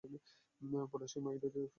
Potassium আয়োডাইডের রাসায়নিক সংকেত কী?